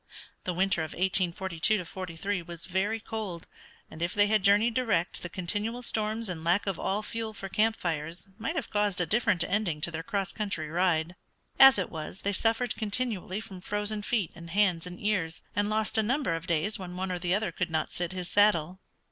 The winter of 1842 43 was very cold, and if they had journeyed direct the continual storms and lack of all fuel for camp fires might have caused a different ending to their cross country ride. As it was they suffered continually from frozen feet and hands and ears, and lost a number of days when one or the other could not sit his saddle.